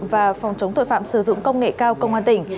và phòng chống tội phạm sử dụng công nghệ cao công an tỉnh